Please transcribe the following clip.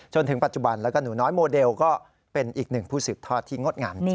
จนถึงปัจจุบันแล้วก็หนูน้อยโมเดลก็เป็นอีกหนึ่งผู้สืบทอดที่งดงามจริง